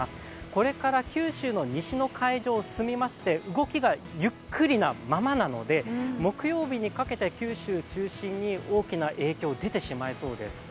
これから九州の西の海上を進みまして動きがゆっくりなままなので木曜日にかけて九州中心に大きな影響が出てしまいそうです。